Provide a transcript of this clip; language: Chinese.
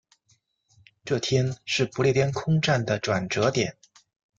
这天是不列颠空战的转折点。